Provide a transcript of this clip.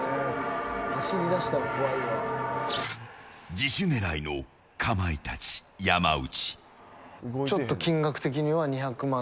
自首狙いのかまいたち山内。